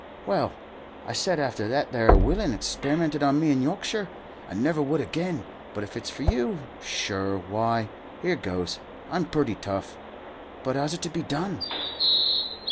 "Well, I said after that 'ere willain experimented on me in Yorkshire, I never would again; but if it's for you, sur why, here goes; I'm purty tough. But how's it to be done?"